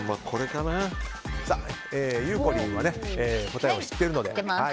ゆうこりんは答えを知っているので。